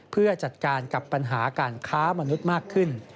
เพื่อจัดการกับปัญหาการค้ามนุษย์มากขึ้น